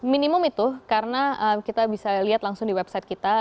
minimum itu karena kita bisa lihat langsung di website kita